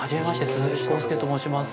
鈴木浩介と申します。